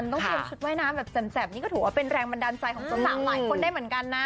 ต้องเตรียมชุดว่ายน้ำแบบแจ่มนี่ก็ถือว่าเป็นแรงบันดาลใจของสาวหลายคนได้เหมือนกันนะ